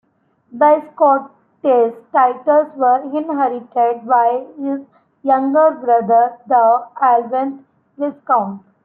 The Scottish titles were inherited by his younger brother, the eleventh Viscount.